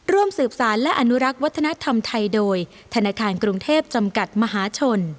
ร่วมสืบสารและอนุรักษ์วัฒนธรรมไทยโดยธนาคารกรุงเทพจำกัดมหาชน